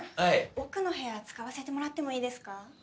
奥の部屋使わせてもらってもいいですか？